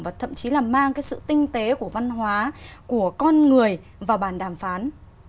và thậm chí là mang cái sự tinh tế của văn hóa của con người vào bàn đàm phán